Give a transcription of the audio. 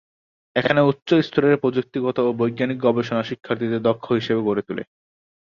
এখানে উচ্চ স্তরের প্রযুক্তিগত ও বৈজ্ঞানিক গবেষণা শিক্ষার্থীদের দক্ষ হিসাবে গড়ে তুলে।